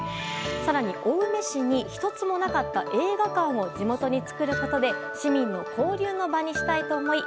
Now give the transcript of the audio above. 更に、青梅市に１つもなかった映画館を地元に作ることで市民の交流の場にしたいと思い